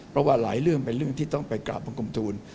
เพราะว่าหลายเรื่องเป็นเรื่องที่ต้องไปกราบบังคมทูล